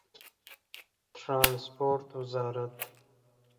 د ټرانسپورټ وزارت